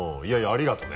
ありがとうね。